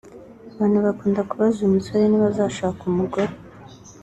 Abantu bakunda kubaza uyu musore niba azashaka umugore